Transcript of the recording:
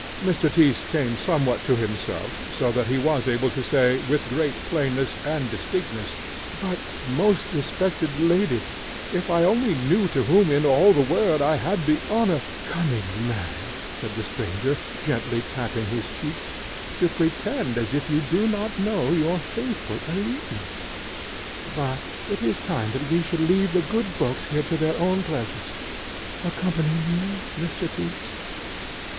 Mr. Tyss came somewhat to himself, so that he was able to say, with great plainness and distinctness, "But, most respected lady, if I only knew to whom in all the world I had the honour " "Cunning man," said the stranger, gently tapping his cheeks, "to pretend as if you did not know your faithful Alina! But it is time that we should leave the good folks here to their own pleasures. Accompany me, Mr. Tyss."